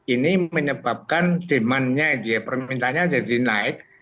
ini menyebabkan demand nya permintaannya jadi naik